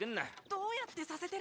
どうやってさせてるの？